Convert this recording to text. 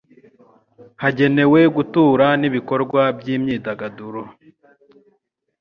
hagenewe gutura n'ibikorwa by'imyidagaduro.